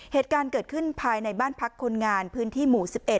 เหตุการณ์เกิดขึ้นภายในบ้านพักคนงานพื้นที่หมู่๑๑